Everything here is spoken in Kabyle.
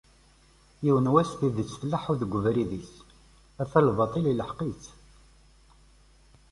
Yiwen wass tidett tleḥḥu d webrid-is, ata lbaṭel iluḥeq-itt.